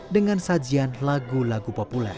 dengan sajian lagu lagu populer